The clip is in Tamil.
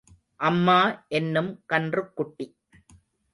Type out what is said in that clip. அம்மா என்னும் கன்றுக் குட்டி.